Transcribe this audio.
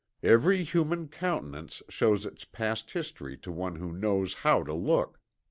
Every human countenance shows its past history to one who knows how to look....